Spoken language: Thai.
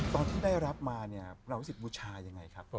ตอนที่ได้รับมาเนี่ยพระอาวสิทธิ์บูชายังไงครับ